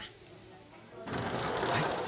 はい。